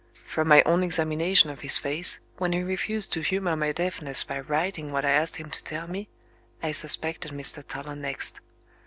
From my own examination of his face, when he refused to humor my deafness by writing what I asked him to tell me, I suspected Mr. Toller next.